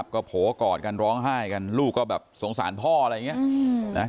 ก็โผล่กอดกันร้องไห้กันลูกก็แบบสงสารพ่ออะไรอย่างนี้